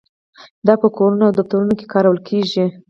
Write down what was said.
دا په کورونو او دفترونو کې کارول کیږي.